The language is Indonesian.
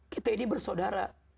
kita ini bersaudara